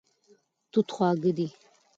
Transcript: توت خواږه دی.